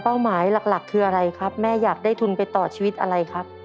หมายหลักคืออะไรครับแม่อยากได้ทุนไปต่อชีวิตอะไรครับ